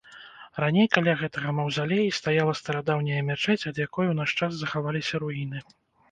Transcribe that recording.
Раней каля гэтага маўзалеі стаяла старадаўняя мячэць, ад якой у наш час захаваліся руіны.